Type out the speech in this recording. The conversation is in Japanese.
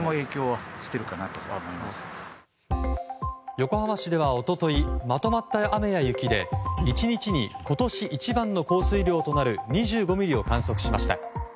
横浜市では一昨日まとまった雨や雪で１日に今年一番の降水量となる２５ミリを観測しました。